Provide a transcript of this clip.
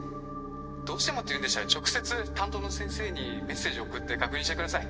どうしてもっていうんでしたら直接担当の先生にメッセージ送って確認してください。